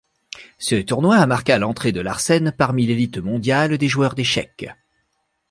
Ce tournoi marqua l'entrée de Larsen parmi l'élite mondiale des joueurs d'échecs.